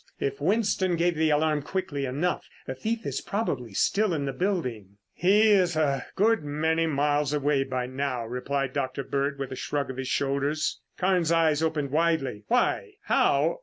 If Winston gave the alarm quickly enough, the thief is probably still in the building." "He's a good many miles away by now," replied Dr. Bird with a shrug of his shoulders. Carnes' eyes opened widely. "Why? how?